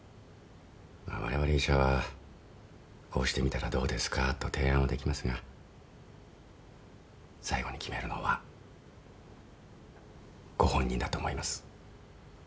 われわれ医者はこうしてみたらどうですか？と提案はできますが最後に決めるのはご本人だと思います。